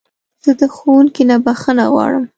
زه د ښوونکي نه بخښنه غواړم.